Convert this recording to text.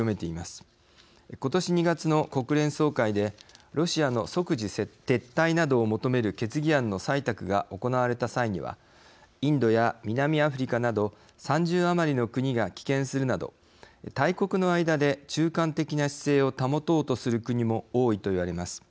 今年２月の国連総会でロシアの即時撤退などを求める決議案の採択が行われた際にはインドや南アフリカなど３０余りの国が棄権するなど大国の間で中間的な姿勢を保とうとする国も多いといわれます。